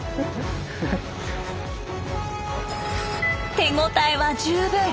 手応えは十分。